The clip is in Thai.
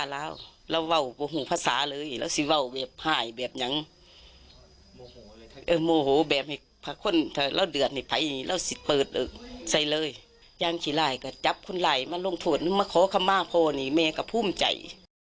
แล้วก็จับคนไหลมาลงทวดแล้วมาขอคำมาพูดนี่แม่ก็ภูมิใจ